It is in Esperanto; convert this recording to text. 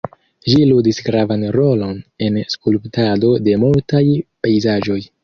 Ĝi ludis gravan rolon en skulptado de multaj pejzaĝoj.